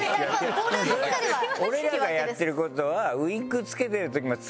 俺らがやってる事は。